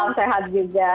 salam sehat juga